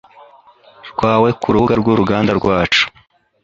rwawe kurubuga rwuruganda rwacu